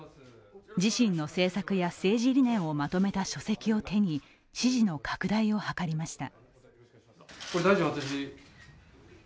自身の政策や政治理念をまとめた書籍を手に支持の拡大を図りました。